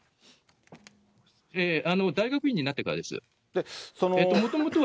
大学院になってからです。